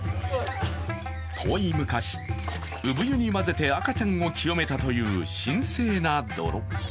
遠い昔、産湯に混ぜて赤ちゃんを清めたという神聖な泥。